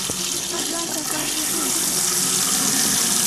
د ژوند سفر په نېکۍ تېر کړئ.